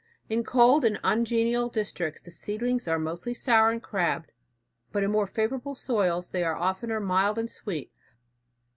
In cold and ungenial districts, the seedlings are mostly sour and crabbed, but in more favorable soils they are oftener mild and sweet.